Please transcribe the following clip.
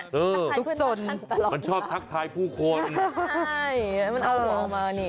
ทักทายเพื่อนมันตลอดมากมันชอบทักทายผู้คนใช่มันเอามันออกมานี่